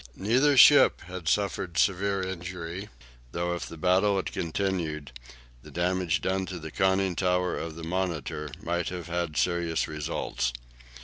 Neither ship had suffered severe injury, though if the battle had continued, the damage done to the conning tower of the "Monitor" might have had serious results.